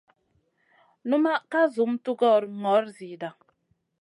Unma ka zum tugora gnor zida.